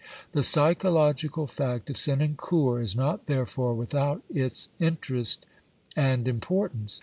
The psychological fact of Senancour is not, therefore, without its interest and importance.